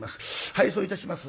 敗走いたします